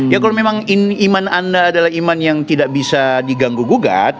ya kalau memang iman anda adalah iman yang tidak bisa diganggu gugat